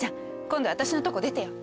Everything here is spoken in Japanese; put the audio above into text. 今度私のとこ出てよ。